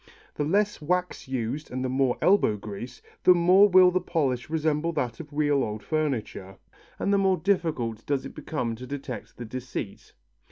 The less wax used and the more elbow grease, the more will the polish resemble that of real old furniture and the more difficult does it become to detect the deceit.